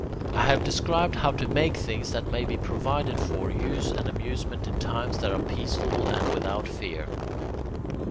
I have described how to make things that may be provided for use and amusement in times that are peaceful and without fear.